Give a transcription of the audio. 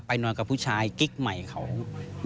ไปนอนกับผู้ชายรู้ใจที่ตัวหมายของ